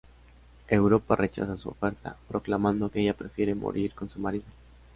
Europa rechaza su oferta, proclamando que ella prefiere morir con su marido.